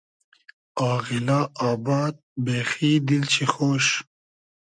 آغیلا آباد , بېخی دیل شی خۉش